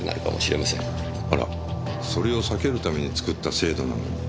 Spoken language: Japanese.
あらそれを避けるために作った制度なのに。